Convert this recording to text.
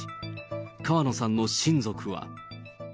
川野さんの親族は。